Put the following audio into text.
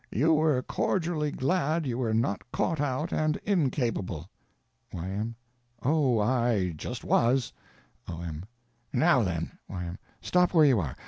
You were cordially glad you were not caught out and incapable? Y.M. Oh, I just was! O.M. Now, then— Y.M. Stop where you are!